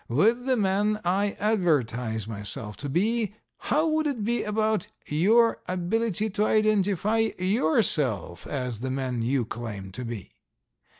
with the man I advertise myself to be, how would it be about your ability to identify yourself as the man you claim to be?